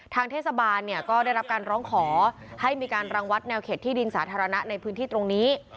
ทางเทศบาลเนี่ยก็ได้รับการร้องขอให้มีการรังวัดแนวเขตที่ดินสาธารณะในพื้นที่ตรงนี้